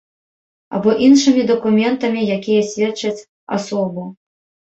Або іншымі дакументамі, якія сведчаць асобу.